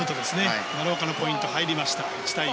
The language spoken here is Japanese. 奈良岡にポイントが入りました。